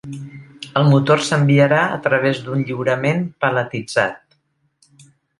El motor s'enviarà a través d'un lliurament paletitzat.